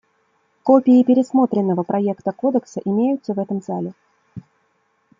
Копии пересмотренного проекта кодекса имеются в этом зале.